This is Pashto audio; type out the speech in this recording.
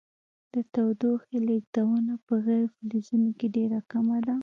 د تودوخې لیږدونه په غیر فلزونو کې ډیره کمه ده.